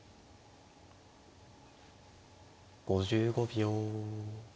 ５５秒。